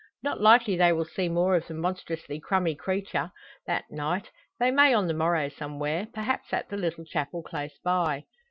Not likely they will see more of the "monstrously crummy creetya" that night they may on the morrow somewhere perhaps at the little chapel close by.